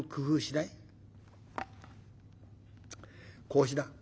こうしな。